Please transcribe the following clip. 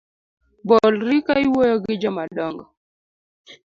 Bolri ka iwuoyo gi jomadong’o